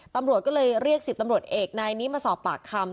ตำรวจก็เลยเรียก๑๐ตำรวจเอกนายนี้มาสอบปากคำ